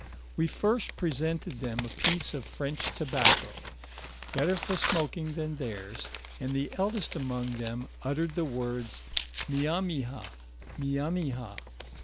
We first presented them a piece of French tobacco, better for smoking than theirs, and the eldest among them uttered the words Miamiha, Hiamiha.